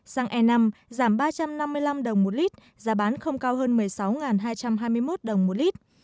xăng e năm giảm ba trăm năm mươi năm đồng một lít giá bán không cao hơn một mươi sáu hai trăm hai mươi một đồng một lít